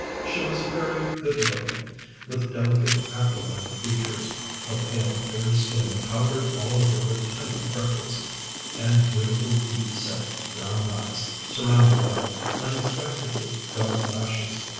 She was very good looking, with delicate aquiline features, a pale, fair skin powdered all over with tiny freckles, and beautiful deep set brown eyes surrounded by unexpectedly dark lashes.